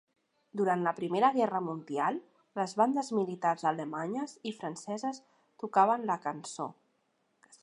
Durant la Primera Guerra Mundial, les bandes militars alemanyes i franceses tocaven la cançó.